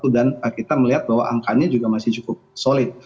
kita melihat bahwa angkanya juga masih cukup solid